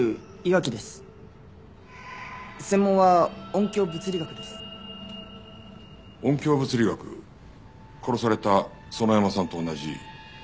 音響物理学殺された園山さんと同じ。